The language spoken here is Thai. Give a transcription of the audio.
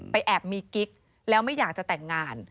แอบมีกิ๊กแล้วไม่อยากจะแต่งงาน